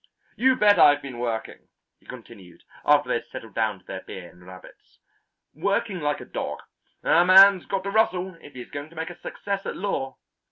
"You bet I've been working," he continued after they had settled down to their beer and rabbits, "working like a dog. A man's got to rustle if he's going to make a success at law.